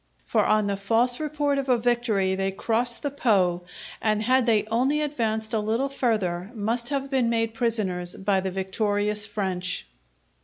For on the false report of a victory they crossed the Po, and had they only advanced a little further must have been made prisoners by the victorious French.